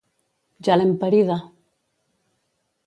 Ja l'hem parida!